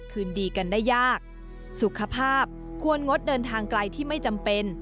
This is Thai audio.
คืนดีกันได้ยากสุขภาพควรงดเดินทางไกลที่ไม่จำเป็น